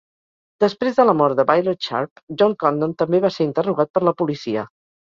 Després de la mort de Violet Sharp, John Condon també va ser interrogat per la policia.